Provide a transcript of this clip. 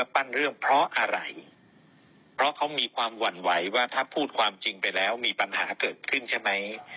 เพราะเขามีความหวั่นไหวว่าถ้าพูดความจริงไปแล้วมีปัญหาเกิดขึ้นใช่ไหม